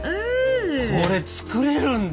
これ作れるんだ？